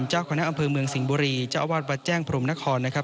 เจ้าคณะอำเภอเมืองสิงห์บุรีเจ้าอาวาสวัดแจ้งพรมนครนะครับ